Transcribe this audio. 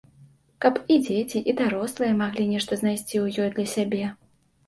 Каб і дзеці і дарослыя маглі нешта знайсці ў ёй для сябе.